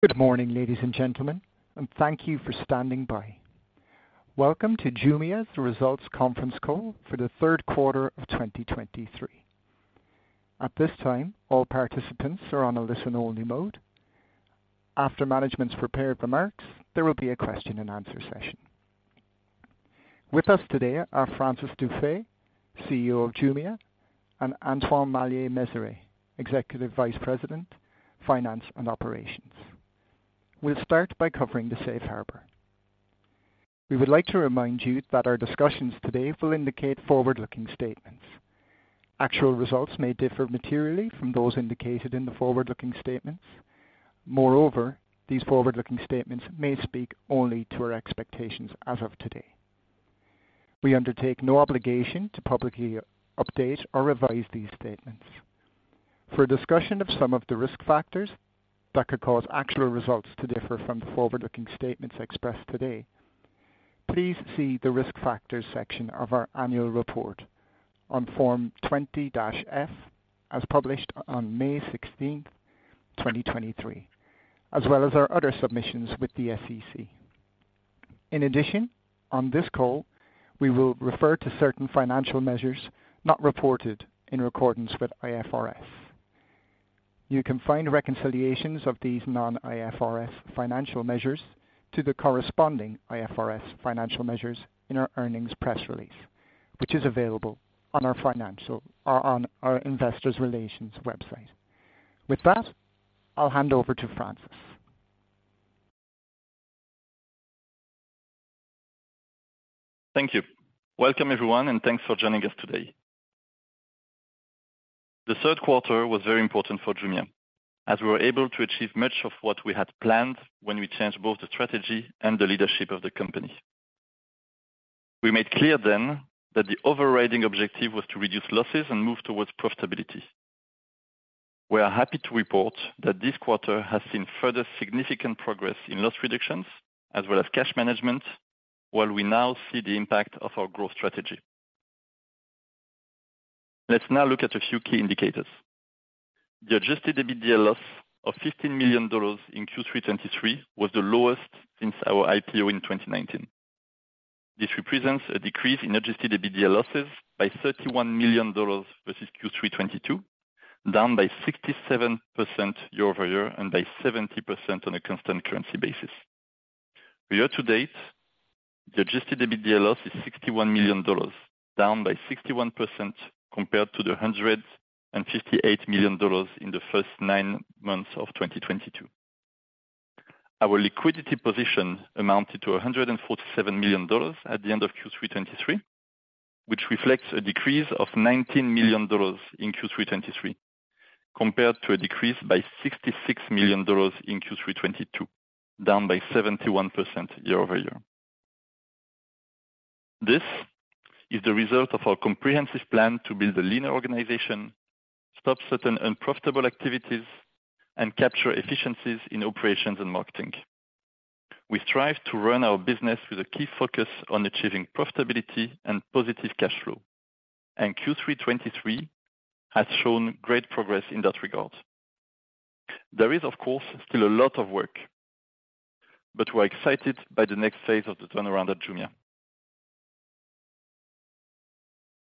Good morning, ladies and gentlemen, and thank you for standing by. Welcome to Jumia, the results conference call for the third quarter of 2023. At this time, all participants are on a listen-only mode. After management's prepared remarks, there will be a question and answer session. With us today are Francis Dufay, CEO of Jumia, and Antoine Maillet-Mezeray, Executive Vice President, Finance and Operations. We'll start by covering the Safe Harbor. We would like to remind you that our discussions today will indicate forward-looking statements. Actual results may differ materially from those indicated in the forward-looking statements. Moreover, these forward-looking statements may speak only to our expectations as of today. We undertake no obligation to publicly update or revise these statements. For a discussion of some of the risk factors that could cause actual results to differ from the forward-looking statements expressed today, please see the Risk Factors section of our annual report on Form 20-F, as published on May 16, 2023, as well as our other submissions with the SEC. In addition, on this call, we will refer to certain financial measures not reported in accordance with IFRS. You can find reconciliations of these non-IFRS financial measures to the corresponding IFRS financial measures in our earnings press release, which is available on our financial-- or on our Investor Relations website. With that, I'll hand over to Francis. Thank you. Welcome, everyone, and thanks for joining us today. The third quarter was very important for Jumia, as we were able to achieve much of what we had planned when we changed both the strategy and the leadership of the company. We made clear then that the overriding objective was to reduce losses and move towards profitability. We are happy to report that this quarter has seen further significant progress in loss reductions as well as cash management, while we now see the impact of our growth strategy. Let's now look at a few key indicators. The Adjusted EBITDA loss of $15 million in Q3 2023 was the lowest since our IPO in 2019. This represents a decrease in Adjusted EBITDA losses by $31 million versus Q3 2022, down by 67% year-over-year, and by 70% on a Constant Currency basis. For year to date, the Adjusted EBITDA loss is $61 million, down by 61% compared to the $158 million in the first nine months of 2022. Our liquidity position amounted to $147 million at the end of Q3 2023, which reflects a decrease of $19 million in Q3 2023, compared to a decrease by $66 million in Q3 2022, down by 71% year-over-year. This is the result of our comprehensive plan to build a leaner organization, stop certain unprofitable activities, and capture efficiencies in operations and marketing. We strive to run our business with a key focus on achieving profitability and positive cash flow, and Q3 2023 has shown great progress in that regard. There is, of course, still a lot of work, but we're excited by the next phase of the turnaround at Jumia.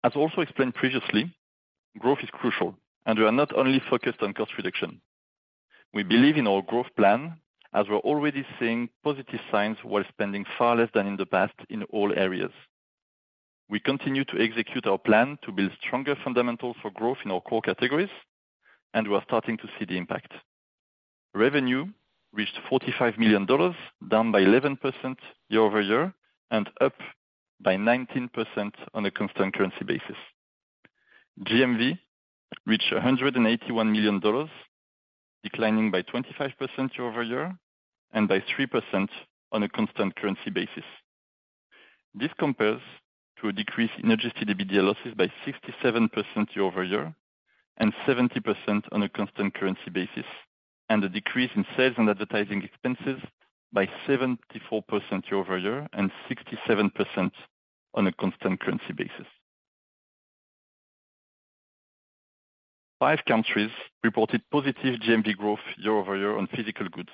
As also explained previously, growth is crucial, and we are not only focused on cost reduction. We believe in our growth plan as we're already seeing positive signs while spending far less than in the past in all areas. We continue to execute our plan to build stronger fundamentals for growth in our core categories, and we are starting to see the impact. Revenue reached $45 million, down by 11% year over year, and up by 19% on a constant currency basis. GMV reached $181 million, declining by 25% year over year, and by 3% on a constant currency basis. This compares to a decrease in Adjusted EBITDA losses by 67% year-over-year, and 70% on a constant currency basis, and a decrease in sales and advertising expenses by 74% year-over-year, and 67% on a constant currency basis. Five countries reported positive GMV growth year-over-year on physical goods,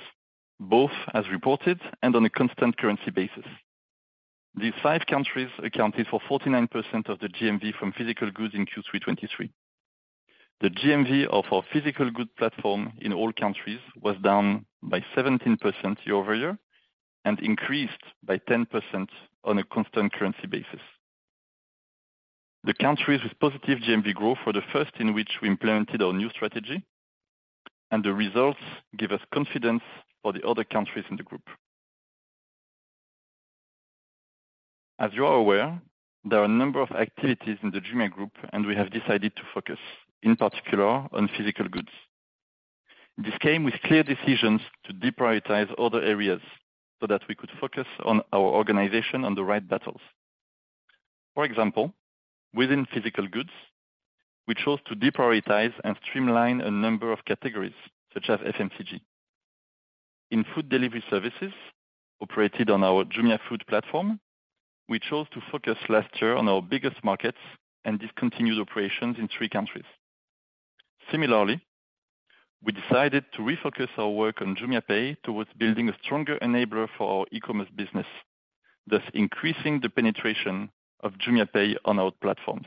both as reported and on a constant currency basis. These five countries accounted for 49% of the GMV from physical goods in Q3 2023. The GMV of our physical goods platform in all countries was down by 17% year-over-year and increased by 10% on a constant currency basis. The countries with positive GMV growth were the first in which we implemented our new strategy, and the results give us confidence for the other countries in the group. As you are aware, there are a number of activities in the Jumia Group, and we have decided to focus, in particular, on physical goods. This came with clear decisions to deprioritize other areas so that we could focus our organization on the right battles. For example, within physical goods, we chose to deprioritize and streamline a number of categories, such as FMCG. In food delivery services operated on our Jumia Food platform, we chose to focus last year on our biggest markets and discontinued operations in three countries. Similarly, we decided to refocus our work JumiaPay towards building a stronger enabler for our e-commerce business, thus increasing the penetration JumiaPay on our platforms.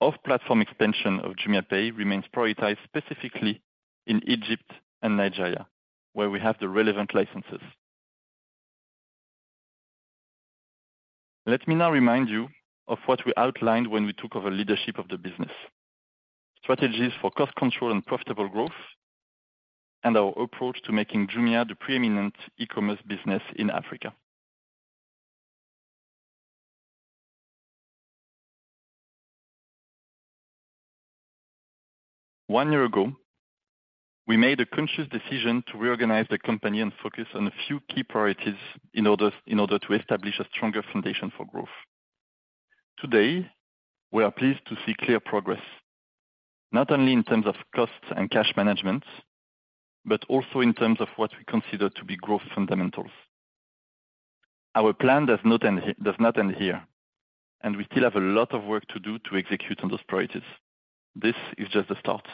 Off-platform expansion JumiaPay remains prioritized, specifically in Egypt and Nigeria, where we have the relevant licenses. Let me now remind you of what we outlined when we took over leadership of the business: strategies for cost control and profitable growth, and our approach to making Jumia the preeminent e-commerce business in Africa. One year ago, we made a conscious decision to reorganize the company and focus on a few key priorities in order to establish a stronger foundation for growth. Today, we are pleased to see clear progress, not only in terms of costs and cash management, but also in terms of what we consider to be growth fundamentals. Our plan does not end here, and we still have a lot of work to do to execute on those priorities. This is just the start.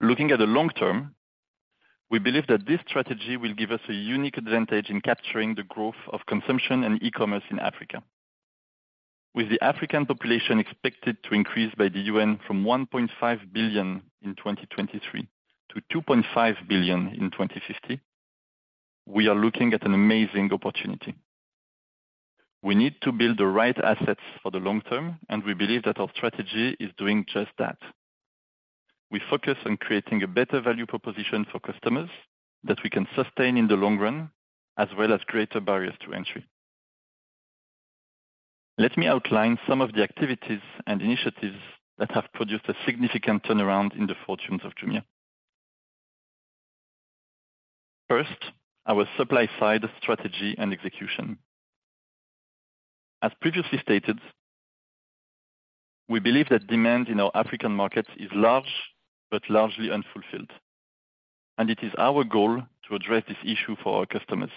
Looking at the long term, we believe that this strategy will give us a unique advantage in capturing the growth of consumption and e-commerce in Africa. With the African population expected to increase by the UN from 1.5 billion in 2023 to 2.5 billion in 2050, we are looking at an amazing opportunity. We need to build the right assets for the long term, and we believe that our strategy is doing just that. We focus on creating a better value proposition for customers that we can sustain in the long run, as well as greater barriers to entry. Let me outline some of the activities and initiatives that have produced a significant turnaround in the fortunes of Jumia. First, our supply side strategy and execution. As previously stated, we believe that demand in our African markets is large, but largely unfulfilled, and it is our goal to address this issue for our customers.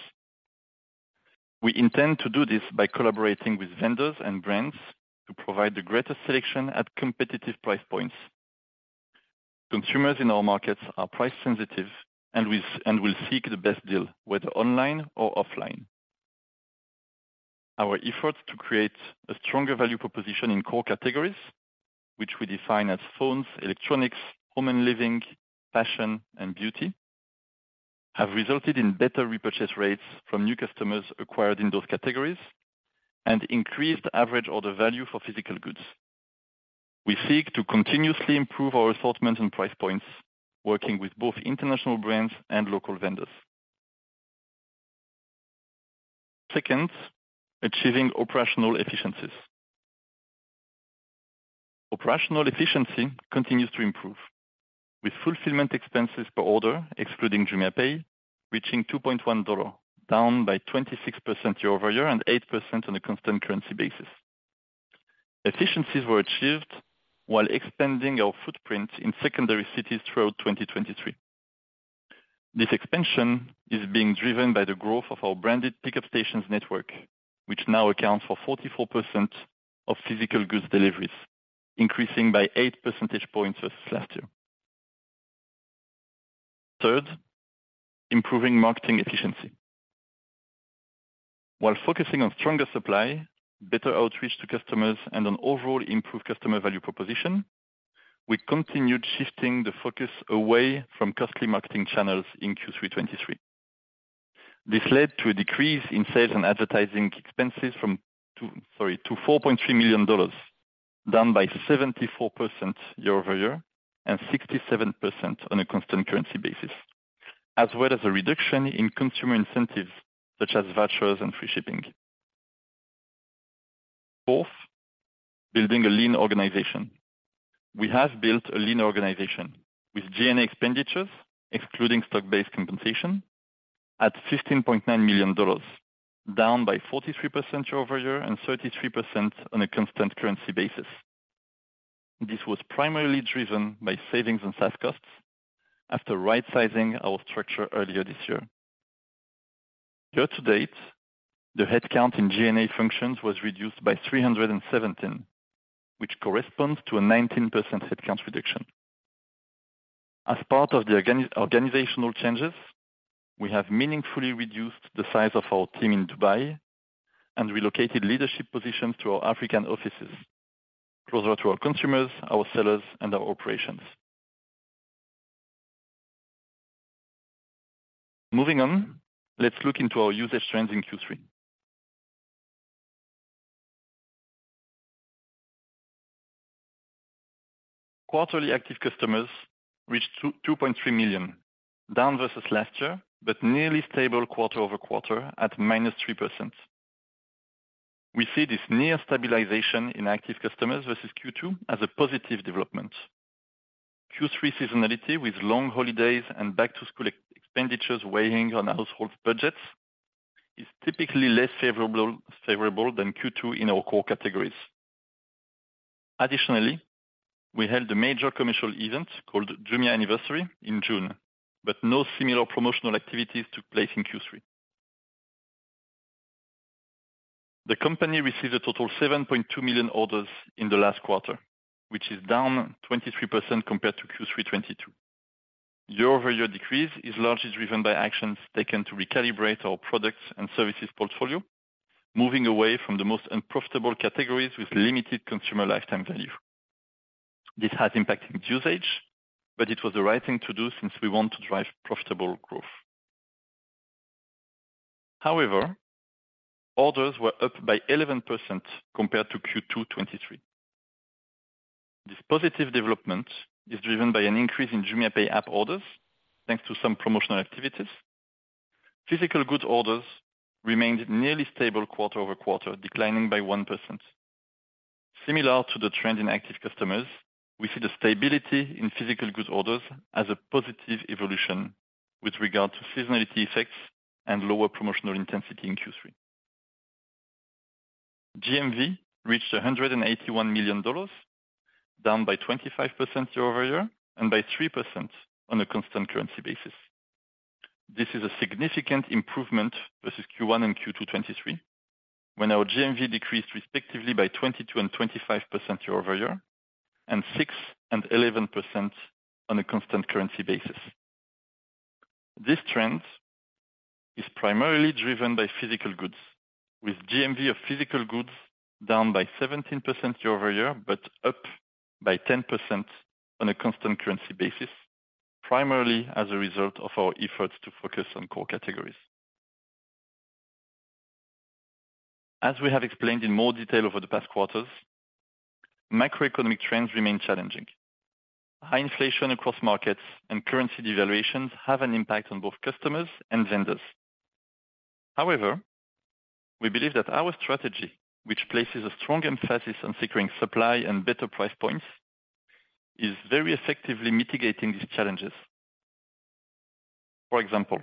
We intend to do this by collaborating with vendors and brands to provide the greatest selection at competitive price points. Consumers in our markets are price sensitive and will seek the best deal, whether online or offline. Our efforts to create a stronger value proposition in core categories, which we define as phones, electronics, home and living, fashion, and beauty, have resulted in better repurchase rates from new customers acquired in those categories, and increased average order value for physical goods. We seek to continuously improve our assortment and price points, working with both international brands and local vendors. Second, achieving operational efficiencies. Operational efficiency continues to improve, with fulfillment expenses per order, JumiaPay, reaching $2.1, down 26% year-over-year and 8% on a constant currency basis. Efficiencies were achieved while expanding our footprint in secondary cities throughout 2023. This expansion is being driven by the growth of our branded pickup stations network, which now accounts for 44% of physical goods deliveries, increasing by 8 percentage points versus last year. Third, improving marketing efficiency. While focusing on stronger supply, better outreach to customers, and an overall improved customer value proposition, we continued shifting the focus away from costly marketing channels in Q3 2023. This led to a decrease in sales and advertising expenses to $4.3 million, down by 74% year-over-year and 67% on a Constant Currency basis, as well as a reduction in consumer incentives such as vouchers and free shipping. Fourth, building a lean organization. We have built a lean organization with G&A expenditures, excluding stock-based compensation, at $15.9 million, down by 43% year-over-year and 33% on a constant currency basis. This was primarily driven by savings and SaaS costs after right sizing our structure earlier this year. Year to date, the headcount in G&A functions was reduced by 317, which corresponds to a 19% headcount reduction. As part of the organizational changes, we have meaningfully reduced the size of our team in Dubai and relocated leadership positions to our African offices, closer to our consumers, our sellers, and our operations. Moving on, let's look into our usage trends in Q3. Quarterly active customers reached 2.3 million, down versus last year, but nearly stable quarter-over-quarter at -3%. We see this near stabilization in active customers versus Q2 as a positive development. Q3 seasonality, with long holidays and back-to-school expenditures weighing on household budgets, is typically less favorable than Q2 in our core categories... Additionally, we held a major commercial event called Jumia Anniversary in June, but no similar promotional activities took place in Q3. The company received a total 7.2 million orders in the last quarter, which is down 23% compared to Q3 2022. Year-over-year decrease is largely driven by actions taken to recalibrate our products and services portfolio, moving away from the most unprofitable categories with limited consumer lifetime value. This has impacted usage, but it was the right thing to do since we want to drive profitable growth. However, orders were up by 11% compared to Q2 2023. This positive development is driven by an increase JumiaPay app orders, thanks to some promotional activities. Physical goods orders remained nearly stable quarter-over-quarter, declining by 1%. Similar to the trend in active customers, we see the stability in physical goods orders as a positive evolution with regard to seasonality effects and lower promotional intensity in Q3. GMV reached $181 million, down by 25% year-over-year and by 3% on a constant currency basis. This is a significant improvement versus Q1 and Q2 2023, when our GMV decreased respectively by 22% and 25% year-over-year, and 6% and 11% on a constant currency basis. This trend is primarily driven by physical goods, with GMV of physical goods down by 17% year-over-year, but up by 10% on a constant currency basis, primarily as a result of our efforts to focus on core categories. As we have explained in more detail over the past quarters, macroeconomic trends remain challenging. High inflation across markets and currency devaluations have an impact on both customers and vendors. However, we believe that our strategy, which places a strong emphasis on securing supply and better price points, is very effectively mitigating these challenges. For example,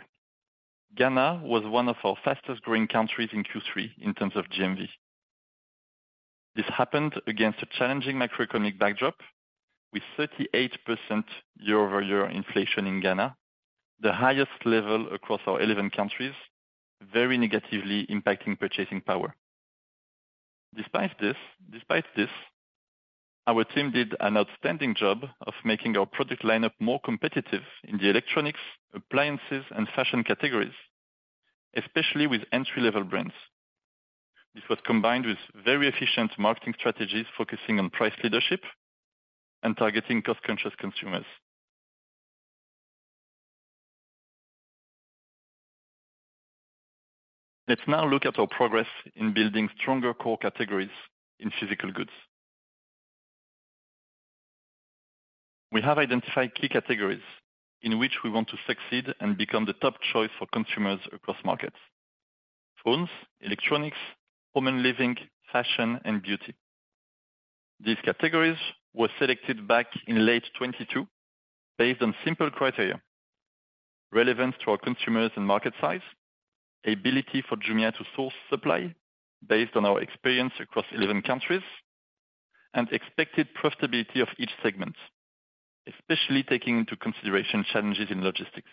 Ghana was one of our fastest-growing countries in Q3 in terms of GMV. This happened against a challenging macroeconomic backdrop, with 38% year-over-year inflation in Ghana, the highest level across our 11 countries, very negatively impacting purchasing power. Despite this, our team did an outstanding job of making our product lineup more competitive in the electronics, appliances, and fashion categories, especially with entry-level brands. This was combined with very efficient marketing strategies, focusing on price leadership and targeting cost-conscious consumers. Let's now look at our progress in building stronger core categories in physical goods. We have identified key categories in which we want to succeed and become the top choice for consumers across markets: phones, electronics, home and living, fashion, and beauty. These categories were selected back in late 2022 based on simple criteria, relevance to our consumers and market size, ability for Jumia to source supply based on our experience across 11 countries, and expected profitability of each segment, especially taking into consideration challenges in logistics.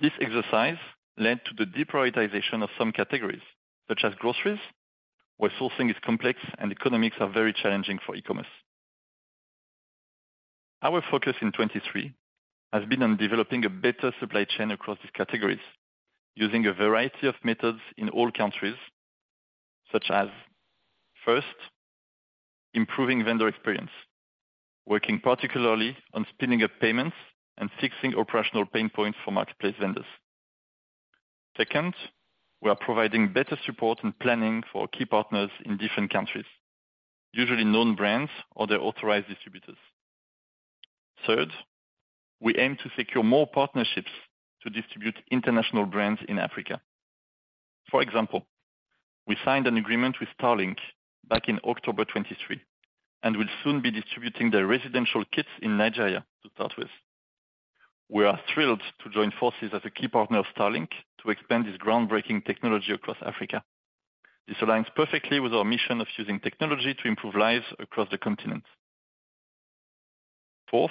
This exercise led to the deprioritization of some categories, such as groceries, where sourcing is complex and economics are very challenging for e-commerce. Our focus in 2023 has been on developing a better supply chain across these categories, using a variety of methods in all countries, such as, first, improving vendor experience, working particularly on speeding up payments and fixing operational pain points for marketplace vendors. Second, we are providing better support and planning for key partners in different countries, usually known brands or their authorized distributors. Third, we aim to secure more partnerships to distribute international brands in Africa. For example, we signed an agreement with Starlink back in October 2023, and will soon be distributing their residential kits in Nigeria to start with. We are thrilled to join forces as a key partner of Starlink to expand this groundbreaking technology across Africa. This aligns perfectly with our mission of using technology to improve lives across the continent. Fourth,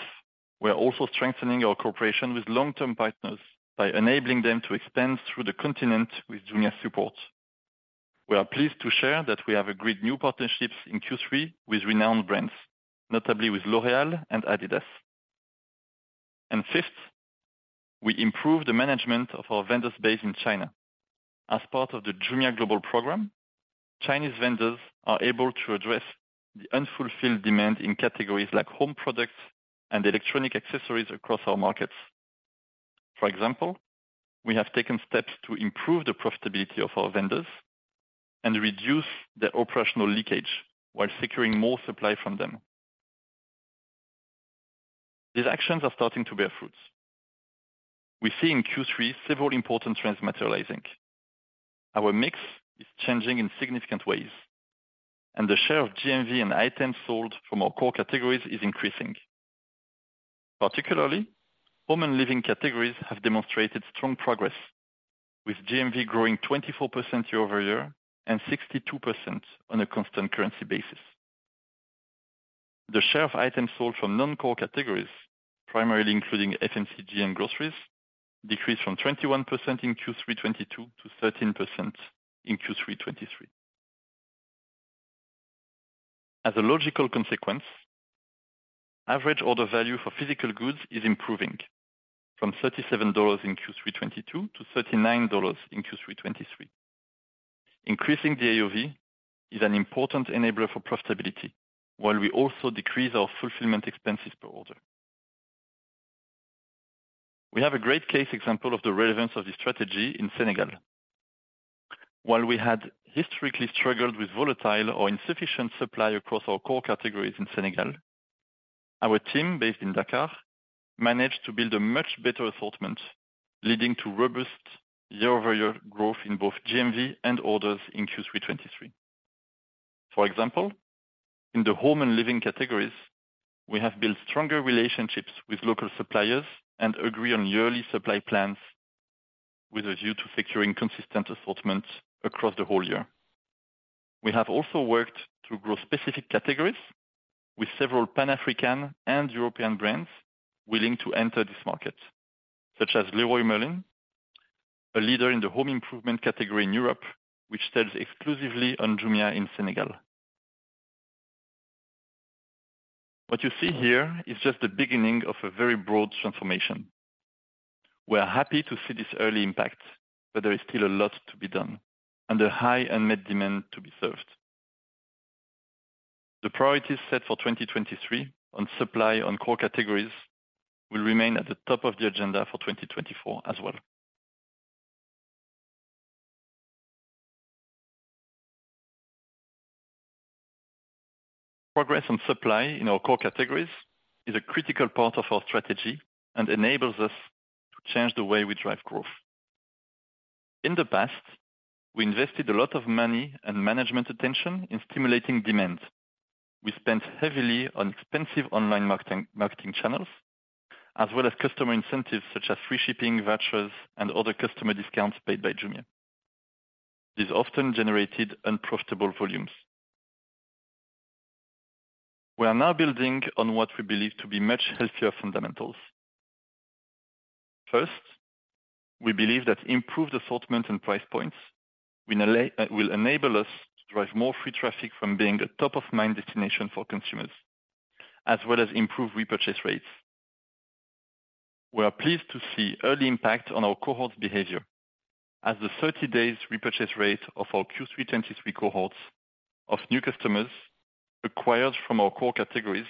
we are also strengthening our cooperation with long-term partners by enabling them to expand through the continent with Jumia's support. We are pleased to share that we have agreed new partnerships in Q3 with renowned brands, notably with L'Oréal and Adidas. And fifth, we improved the management of our vendors based in China. As part of the Jumia Global program, Chinese vendors are able to address the unfulfilled demand in categories like home products and electronic accessories across our markets. For example, we have taken steps to improve the profitability of our vendors and reduce the operational leakage while securing more supply from them. These actions are starting to bear fruits. We see in Q3 several important trends materializing. Our mix is changing in significant ways, and the share of GMV and items sold from our core categories is increasing... Particularly, home and living categories have demonstrated strong progress, with GMV growing 24% year-over-year and 62% on a constant currency basis. The share of items sold from non-core categories, primarily including FMCG and groceries, decreased from 21% in Q3 2022 to 13% in Q3 2023. As a logical consequence, average order value for physical goods is improving from $37 in Q3 2022 to $39 in Q3 2023. Increasing the AOV is an important enabler for profitability, while we also decrease our fulfillment expenses per order. We have a great case example of the relevance of this strategy in Senegal. While we had historically struggled with volatile or insufficient supply across our core categories in Senegal, our team, based in Dakar, managed to build a much better assortment, leading to robust year-over-year growth in both GMV and orders in Q3 2023. For example, in the home and living categories, we have built stronger relationships with local suppliers and agree on yearly supply plans with a view to securing consistent assortments across the whole year. We have also worked to grow specific categories with several Pan-African and European brands willing to enter this market, such as Leroy Merlin, a leader in the home improvement category in Europe, which sells exclusively on Jumia in Senegal. What you see here is just the beginning of a very broad transformation. We are happy to see this early impact, but there is still a lot to be done and a high unmet demand to be served. The priorities set for 2023 on supply on core categories will remain at the top of the agenda for 2024 as well. Progress on supply in our core categories is a critical part of our strategy and enables us to change the way we drive growth. In the past, we invested a lot of money and management attention in stimulating demand. We spent heavily on expensive online marketing, marketing channels, as well as customer incentives such as free shipping, vouchers, and other customer discounts paid by Jumia. These often generated unprofitable volumes. We are now building on what we believe to be much healthier fundamentals. First, we believe that improved assortment and price points will enable us to drive more free traffic from being a top-of-mind destination for consumers, as well as improve repurchase rates. We are pleased to see early impact on our cohorts' behavior as the 30 days repurchase rate of our Q3 2023 cohorts of new customers acquired from our core categories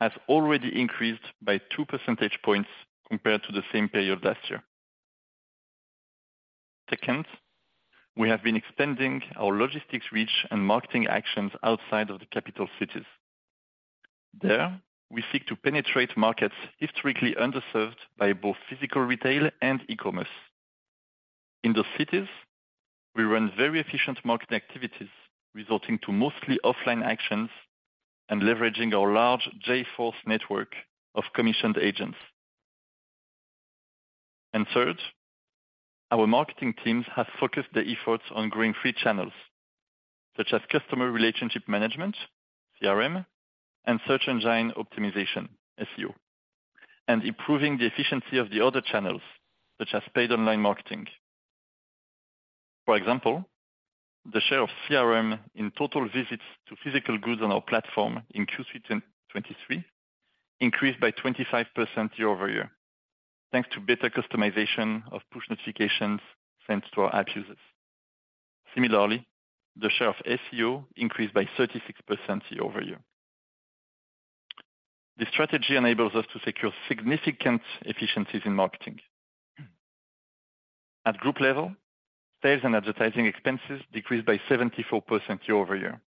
has already increased by two percentage points compared to the same period last year. Second, we have been expanding our logistics reach and marketing actions outside of the capital cities. There, we seek to penetrate markets historically underserved by both physical retail and e-commerce. In those cities, we run very efficient marketing activities, resulting to mostly offline actions and leveraging our large J-Force network of commissioned agents. And third, our marketing teams have focused their efforts on growing free channels, such as customer relationship management, CRM, and search engine optimization, SEO, and improving the efficiency of the other channels, such as paid online marketing. For example, the share of CRM in total visits to physical goods on our platform in Q3 2023 increased by 25% year-over-year, thanks to better customization of push notifications sent to our app users. Similarly, the share of SEO increased by 36% year-over-year. This strategy enables us to secure significant efficiencies in marketing. At group level, sales and advertising expenses decreased by 74% year-over-year,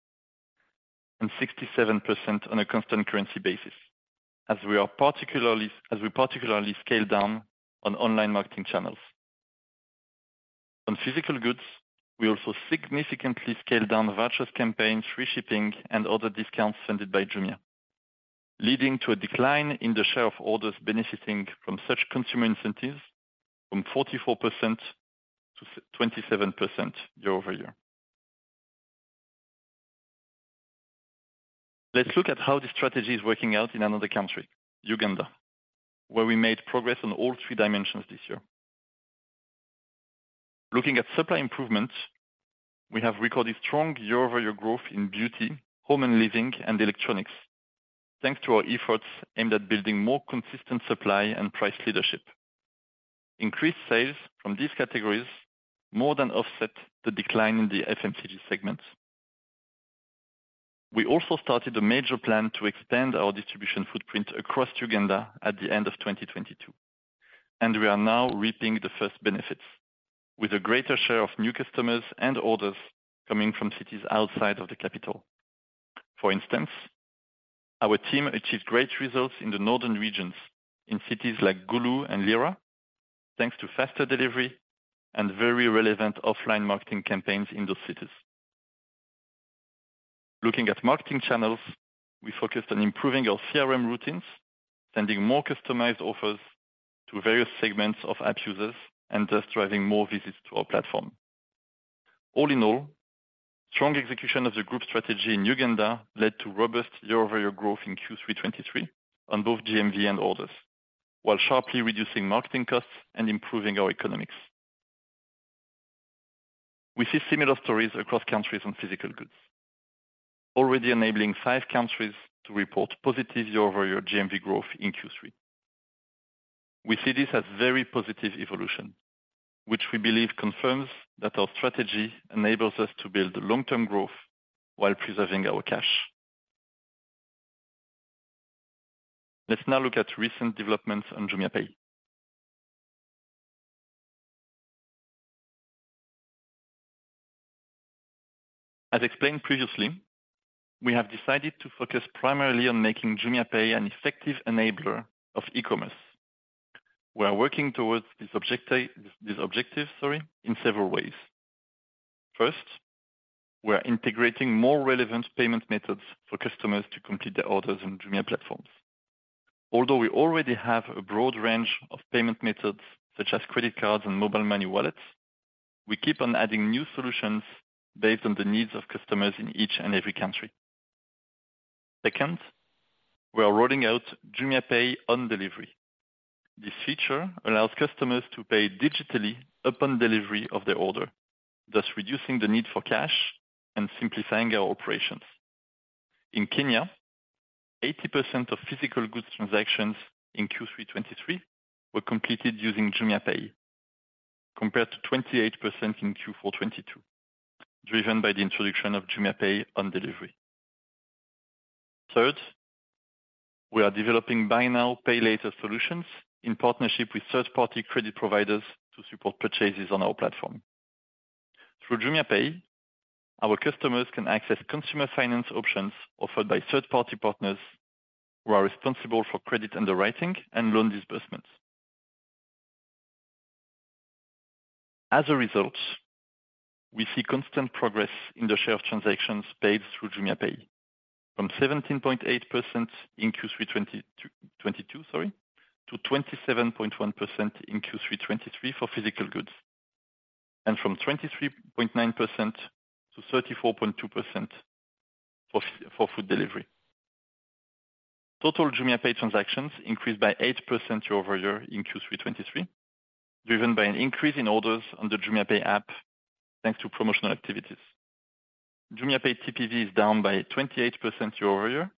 and 67% on a constant currency basis, as we particularly scale down on online marketing channels. On physical goods, we also significantly scaled down vouchers, campaigns, free shipping, and other discounts funded by Jumia, leading to a decline in the share of orders benefiting from such consumer incentives from 44% to 27% year-over-year. Let's look at how this strategy is working out in another country, Uganda, where we made progress on all three dimensions this year. Looking at supply improvements, we have recorded strong year-over-year growth in beauty, home and living, and electronics, thanks to our efforts aimed at building more consistent supply and price leadership. Increased sales from these categories more than offset the decline in the FMCG segment. We also started a major plan to extend our distribution footprint across Uganda at the end of 2022, and we are now reaping the first benefits with a greater share of new customers and orders coming from cities outside of the capital. For instance, our team achieved great results in the northern regions in cities like Gulu and Lira, thanks to faster delivery and very relevant offline marketing campaigns in those cities. Looking at marketing channels, we focused on improving our CRM routines, sending more customized offers to various segments of app users, and thus driving more visits to our platform. All in all, strong execution of the group strategy in Uganda led to robust year-over-year growth in Q3 2023 on both GMV and orders, while sharply reducing marketing costs and improving our economics. We see similar stories across countries on physical goods, already enabling five countries to report positive year-over-year GMV growth in Q3. We see this as very positive evolution, which we believe confirms that our strategy enables us to build long-term growth while preserving our cash. Let's now look at recent developments JumiaPay. as explained previously, we have decided to focus primarily on JumiaPay an effective enabler of e-commerce. We are working towards this objective in several ways. First, we are integrating more relevant payment methods for customers to complete their orders on Jumia platforms. Although we already have a broad range of payment methods, such as credit cards and mobile money wallets, we keep on adding new solutions based on the needs of customers in each and every country. Second, we are rolling JumiaPay on delivery. This feature allows customers to pay digitally upon delivery of their order, thus reducing the need for cash and simplifying our operations. In Kenya, 80% of physical goods transactions in Q3 2023 were completed JumiaPay, compared to 28% in Q4 2022, driven by the introduction JumiaPay on delivery. Third, we are developing buy now, pay later solutions in partnership with third-party credit providers to support purchases on our platform. JumiaPay, our customers can access consumer finance options offered by third-party partners, who are responsible for credit underwriting and loan disbursements. As a result, we see constant progress in the share of transactions paid JumiaPay, from 17.8% in Q3 2022, '22, sorry, to 27.1% in Q3 2023 for physical goods, and from 23.9% to 34.2% for food delivery. JumiaPay transactions increased by 8% year-over-year in Q3 2023, driven by an increase in orders on JumiaPay app, thanks to promotional JumiaPay TPV is down by 28% year-over-year,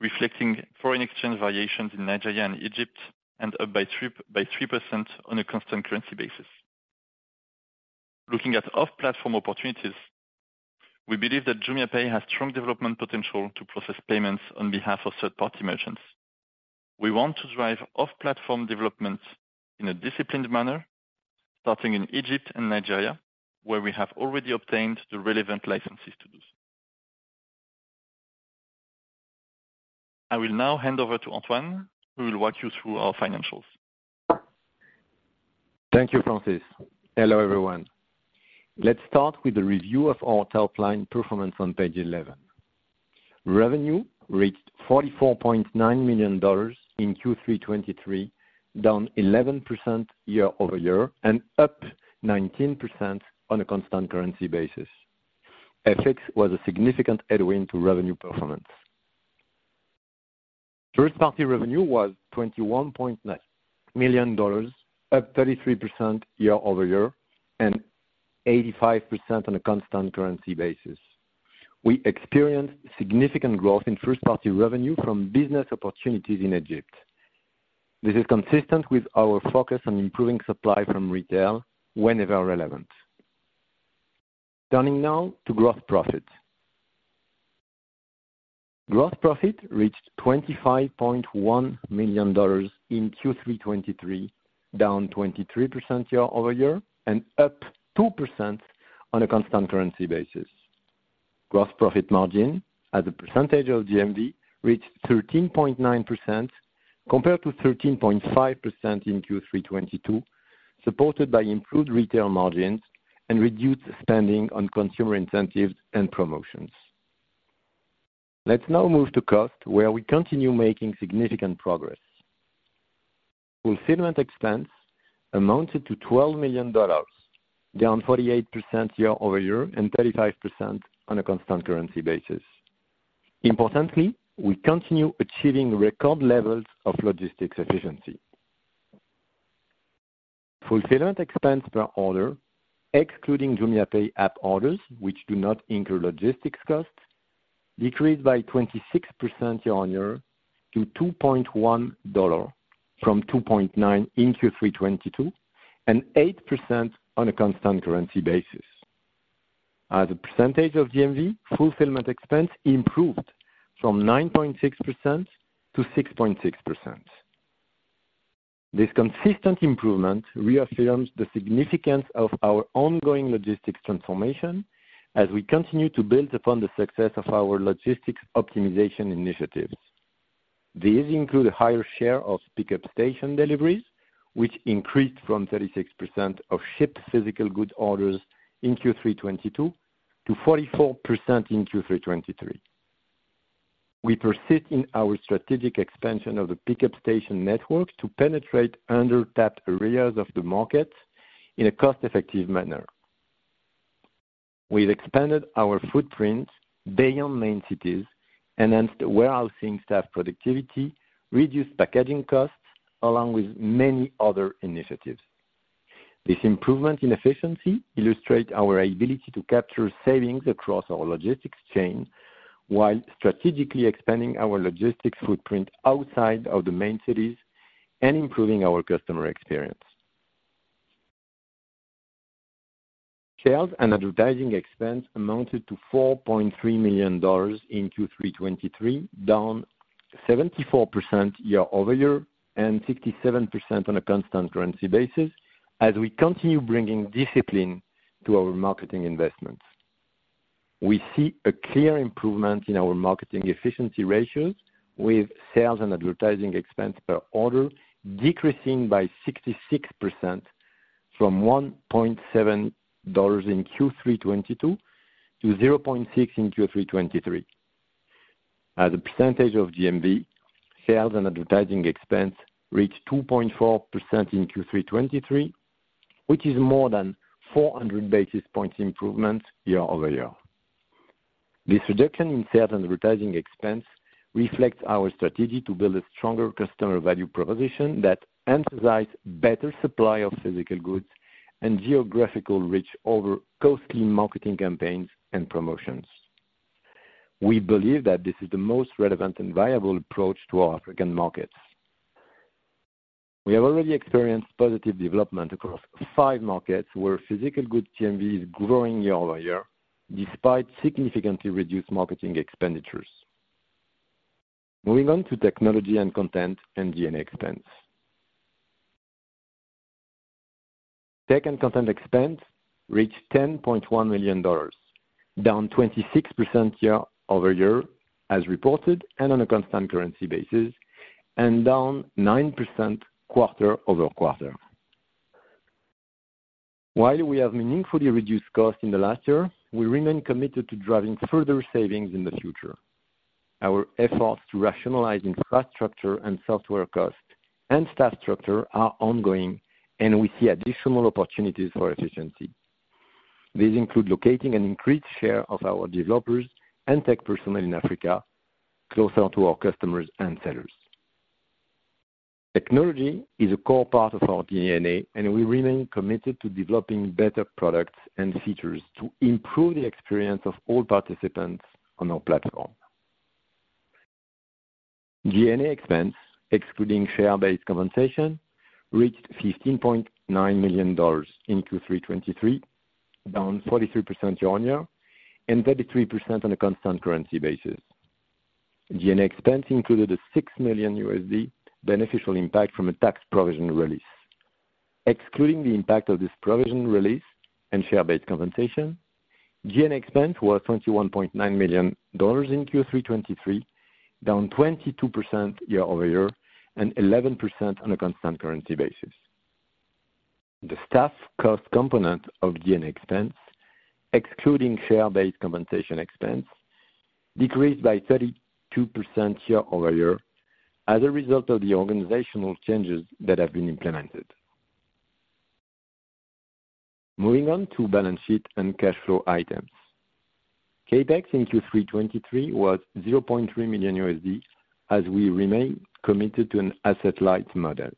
reflecting foreign exchange variations in Nigeria and Egypt, and up by 3, by 3% on a constant currency basis. Looking at off-platform opportunities, we believe JumiaPay has strong development potential to process payments on behalf of third-party merchants. We want to drive off-platform development in a disciplined manner, starting in Egypt and Nigeria, where we have already obtained the relevant licenses to do so. I will now hand over to Antoine, who will walk you through our financials. Thank you, Francis. Hello, everyone. Let's start with a review of our top-line performance on page 11. Revenue reached $44.9 million in Q3 2023, down 11% year-over-year, and up 19% on a constant currency basis. FX was a significant headwind to revenue performance. First-party revenue was $21.9 million, up 33% year-over-year, and 85% on a constant currency basis. We experienced significant growth in first-party revenue from business opportunities in Egypt. This is consistent with our focus on improving supply from retail whenever relevant. Turning now to gross profit. Gross profit reached $25.1 million in Q3 2023, down 23% year-over-year, and up 2% on a constant currency basis. Gross profit margin, as a percentage of GMV, reached 13.9%, compared to 13.5% in Q3 2022, supported by improved retail margins and reduced spending on consumer incentives and promotions. Let's now move to cost, where we continue making significant progress. Fulfillment expense amounted to $12 million, down 48% year-over-year, and 35% on a constant currency basis. Importantly, we continue achieving record levels of logistics efficiency. Fulfillment expense per order, JumiaPay app orders, which do not include logistics costs, decreased by 26% year-over-year to $2.1 from $2.9 in Q3 2022, and 8% on a constant currency basis. As a percentage of GMV, fulfillment expense improved from 9.6% to 6.6%. This consistent improvement reaffirms the significance of our ongoing logistics transformation as we continue to build upon the success of our logistics optimization initiatives... These include a higher share of pickup station deliveries, which increased from 36% of shipped physical good orders in Q3 2022 to 44% in Q3 2023. We persist in our strategic expansion of the pickup station network to penetrate under-tapped areas of the market in a cost-effective manner. We've expanded our footprint beyond main cities, enhanced warehousing staff productivity, reduced packaging costs, along with many other initiatives. This improvement in efficiency illustrate our ability to capture savings across our logistics chain, while strategically expanding our logistics footprint outside of the main cities and improving our customer experience. Sales and advertising expense amounted to $4.3 million in Q3 2023, down 74% year-over-year, and 67% on a constant currency basis, as we continue bringing discipline to our marketing investments. We see a clear improvement in our marketing efficiency ratios, with sales and advertising expense per order decreasing by 66% from $1.7 in Q3 2022 to $0.6 in Q3 2023. As a percentage of GMV, sales and advertising expense reached 2.4% in Q3 2023, which is more than 400 basis points improvement year-over-year. This reduction in sales and advertising expense reflects our strategy to build a stronger customer value proposition that emphasizes better supply of physical goods and geographical reach over costly marketing campaigns and promotions. We believe that this is the most relevant and viable approach to our African markets. We have already experienced positive development across five markets, where physical goods GMV is growing year-over-year, despite significantly reduced marketing expenditures. Moving on to technology and content and G&A expense. Tech and content expense reached $10.1 million, down 26% year-over-year, as reported and on a constant currency basis, and down 9% quarter-over-quarter. While we have meaningfully reduced costs in the last year, we remain committed to driving further savings in the future. Our efforts to rationalize infrastructure and software costs and staff structure are ongoing, and we see additional opportunities for efficiency. These include locating an increased share of our developers and tech personnel in Africa, closer to our customers and sellers. Technology is a core part of our DNA, and we remain committed to developing better products and features to improve the experience of all participants on our platform. G&A expense, excluding share-based compensation, reached $15.9 million in Q3 2023, down 43% year-over-year, and 33% on a constant currency basis. G&A expense included a $6 million beneficial impact from a tax provision release. Excluding the impact of this provision release and share-based compensation, G&A expense was $21.9 million in Q3 2023, down 22% year-over-year and 11% on a constant currency basis. The staff cost component of G&A expense, excluding share-based compensation expense, decreased by 32% year-over-year as a result of the organizational changes that have been implemented. Moving on to balance sheet and cash flow items. CapEx in Q3 2023 was $0.3 million, as we remain committed to an asset-light model.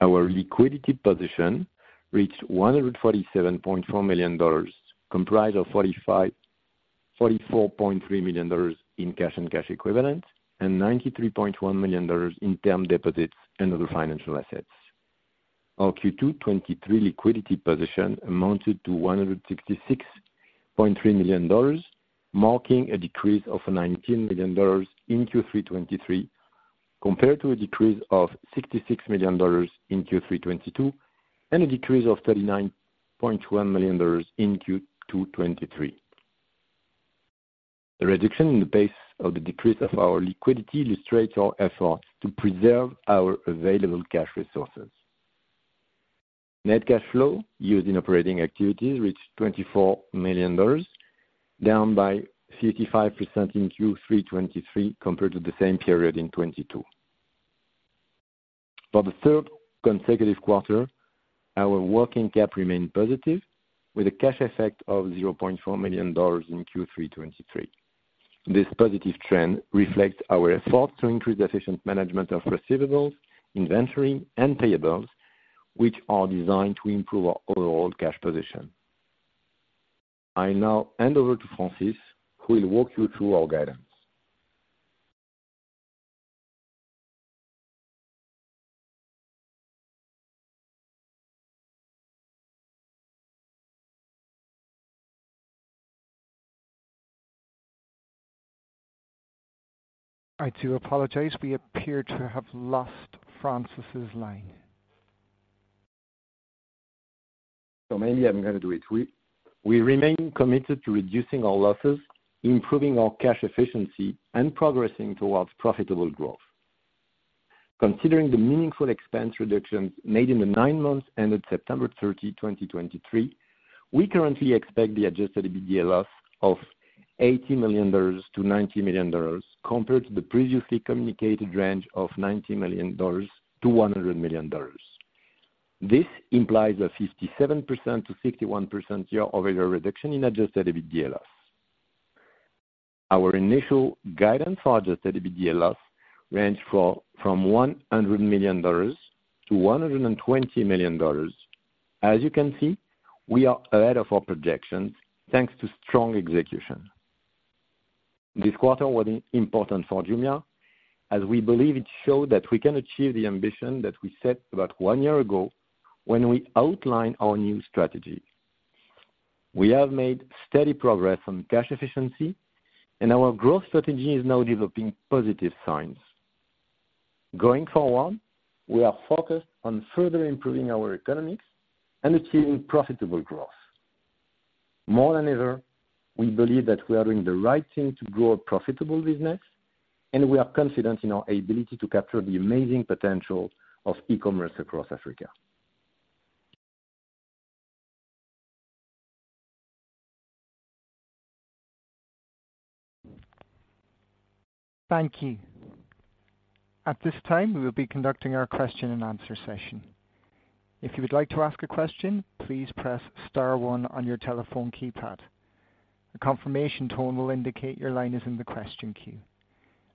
Our liquidity position reached $147.4 million, comprised of $44.3 million in cash and cash equivalents, and $93.1 million in term deposits and other financial assets. Our Q2 2023 liquidity position amounted to $166.3 million, marking a decrease of $19 million in Q3 2023, compared to a decrease of $66 million in Q3 2022, and a decrease of $39.1 million in Q2 2023. The reduction in the pace of the decrease of our liquidity illustrates our effort to preserve our available cash resources. Net cash flow used in operating activities reached $24 million, down by 55% in Q3 2023, compared to the same period in 2022. For the third consecutive quarter, our working cap remained positive, with a cash effect of $0.4 million in Q3 2023. This positive trend reflects our effort to increase efficient management of receivables, inventory, and payables, which are designed to improve our overall cash position. I now hand over to Francis, who will walk you through our guidance. I do apologize. We appear to have lost Francis's line.... So maybe I'm gonna do it. We, we remain committed to reducing our losses, improving our cash efficiency, and progressing towards profitable growth. Considering the meaningful expense reductions made in the nine months ended September 30, 2023, we currently expect the Adjusted EBITDA loss of $80 million-$90 million, compared to the previously communicated range of $90 million-$100 million. This implies a 57%-61% year-over-year reduction in Adjusted EBITDA loss. Our initial guidance for Adjusted EBITDA loss ranged for, from $100 million-$120 million. As you can see, we are ahead of our projections, thanks to strong execution. This quarter was important for Jumia, as we believe it showed that we can achieve the ambition that we set about one year ago when we outlined our new strategy. We have made steady progress on cash efficiency, and our growth strategy is now developing positive signs. Going forward, we are focused on further improving our economics and achieving profitable growth. More than ever, we believe that we are doing the right thing to grow a profitable business, and we are confident in our ability to capture the amazing potential of e-commerce across Africa. Thank you. At this time, we will be conducting our question and answer session. If you would like to ask a question, please press star one on your telephone keypad. A confirmation tone will indicate your line is in the question queue,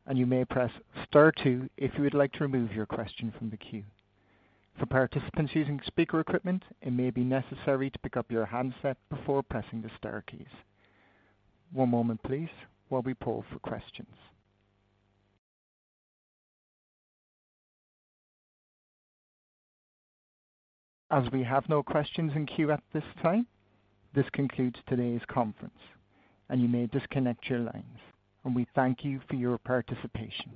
and you may press star two if you would like to remove your question from the queue. For participants using speaker equipment, it may be necessary to pick up your handset before pressing the star keys. One moment please, while we poll for questions. As we have no questions in queue at this time, this concludes today's conference, and you may disconnect your lines, and we thank you for your participation.